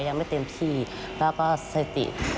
ยังไม่เต็มที่แล้วก็เศรษฐี